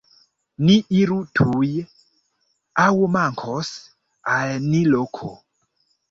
Ni iru tuj, aŭ mankos al ni loko!